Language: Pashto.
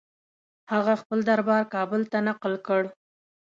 هغه خپل دربار کابل ته نقل کړ.